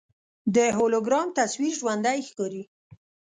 د هولوګرام تصویر ژوندی ښکاري.